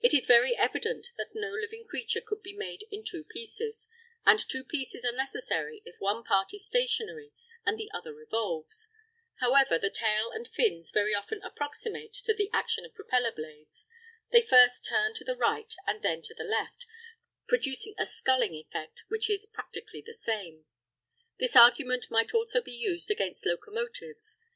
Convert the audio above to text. It is very evident that no living creature could be made in two pieces, and two pieces are necessary if one part is stationary and the other revolves; however, the tails and fins very often approximate to the action of propeller blades; they turn first to the right and then to the left, producing a sculling effect which is practically the same. This argument might also be used against locomotives.